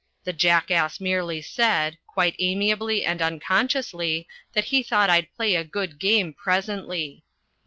The jackass merely said quite amiably and unconsciously that he thought I'd play a good game presently.